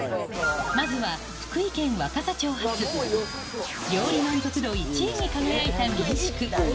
まずは福井県若狭町発、料理満足度１位に輝いた民宿。